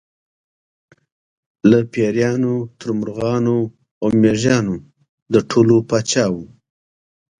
له پېریانو تر مرغانو او مېږیانو د ټولو پاچا و.